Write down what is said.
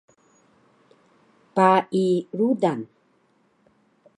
Pai rudan